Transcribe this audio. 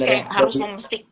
terus kayak harus memastik